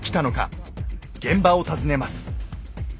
現場を訪ねます。